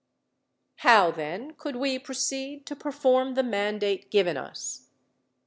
How then could we proceed to perform the mandate given us?